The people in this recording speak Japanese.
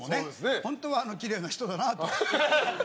本当は、きれいな人だなと。